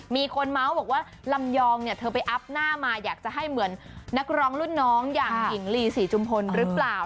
มีคนเมาส์บอกว่าลำยองเนี่ยเธอไปอัพหน้ามาอยากจะให้เหมือนนักร้องรุ่นน้องอย่างหญิงลีศรีจุมพลหรือเปล่า